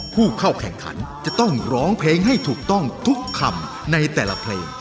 ผู้เข้าแข่งขันจะต้องร้องเพลงให้ถูกต้องทุกคำในแต่ละเพลง